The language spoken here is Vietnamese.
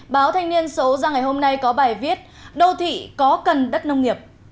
báo thanh niên số ra ngày hôm nay có bài viết đô thị có cần đất nông nghiệp